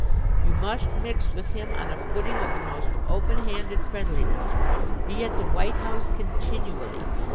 "You must mix with him on a footing of the most open handed friendliness. Be at the White House continually.